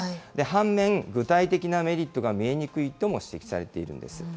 半面、具体的なメリットが見えにくいとも指摘されているんです。